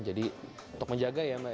jadi untuk menjaga ya mbak ya